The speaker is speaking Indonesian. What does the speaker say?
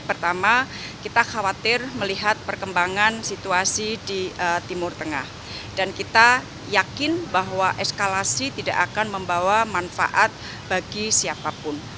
pertama kita khawatir melihat perkembangan situasi di timur tengah dan kita yakin bahwa eskalasi tidak akan membawa manfaat bagi siapapun